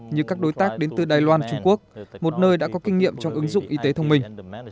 như các đối tác đến từ đài loan trung quốc một nơi đã có kinh nghiệm trong ứng dụng y tế thông minh